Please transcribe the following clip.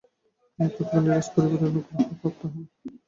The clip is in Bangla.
তিনি তৎকালিন রাজপরিবারের অনুগ্রহ প্রাপ্ত হন।